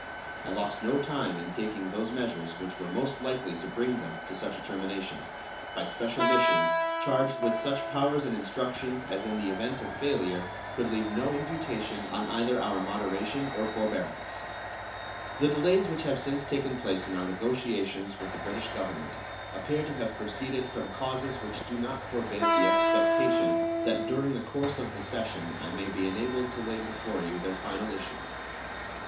I lost no time in taking those measures which were most likely to bring them to such a termination by special missions charged with such powers and instructions as in the event of failure could leave no imputation on either our moderation or forbearance. The delays which have since taken place in our negotiations with the British Government appear to have proceeded from causes which do not forbid the expectation that during the course of the session I may be enabled to lay before you their final issue.